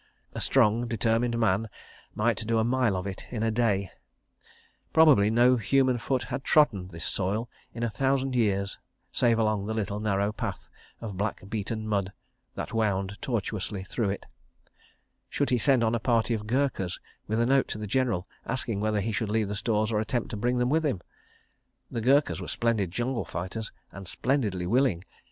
A strong, determined man might do a mile of it in a day. ... Probably no human foot had trodden this soil in a thousand years, save along the little narrow path of black beaten mud that wound tortuously through it. Should he send on a party of Gurkhas with a note to the General, asking whether he should leave the stores or attempt to bring them with him? The Gurkhas were splendid jungle fighters and splendidly willing. ...